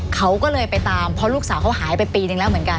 เค้าก็เลยไปตามพอลูกสาวเค้าหายไป๑ปีแล้วเหมือนกัน